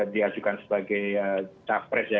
diajukan sebagai capres ya